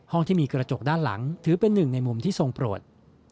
ที่มีกระจกด้านหลังถือเป็นหนึ่งในมุมที่ทรงโปรด